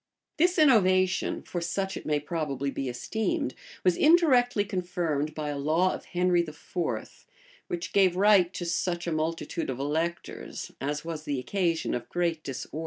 This innovation (for such it may probably be esteemed) was indirectly confirmed by a law of Henry IV.[] which gave right to such a multitude of electors, as was the occasion of great disorder. * Stowe, p.